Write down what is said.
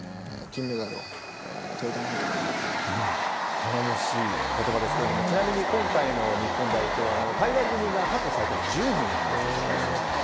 頼もしい言葉ですがちなみに今回の日本代表海外組が過去最多の１０人なんですよ、櫻井さん。